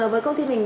với công ty mình